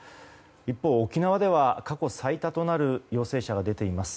一方、沖縄では過去最多となる陽性者が出ています。